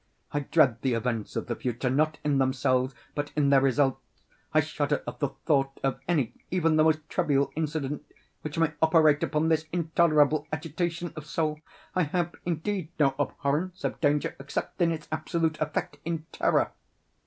I dread the events of the future, not in themselves, but in their results. I shudder at the thought of any, even the most trivial, incident, which may operate upon this intolerable agitation of soul. I have, indeed, no abhorrence of danger, except in its absolute effect—in terror.